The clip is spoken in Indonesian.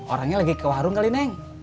orangnya lagi ke warung kali neng